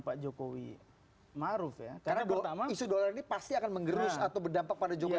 pak jokowi maruf ya karena isu dolar ini pasti akan mengerus atau berdampak pada jokowi